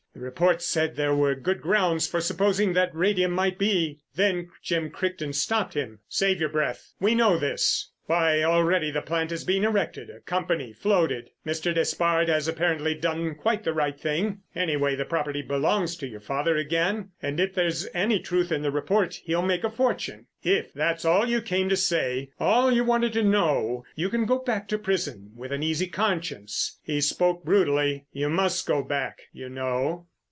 The report said there were good grounds for supposing that radium might be——" Then Jim Crichton stopped him. "Save your breath. We know this. Why, already the plant is being erected, a company floated. Mr. Despard has apparently done quite the right thing. Anyway, the property belongs to your father again, and if there's any truth in the report he'll make a fortune. If that's all you came to say, all you wanted to know, you can go back to prison with an easy conscience." He spoke brutally. "You must go back, you know."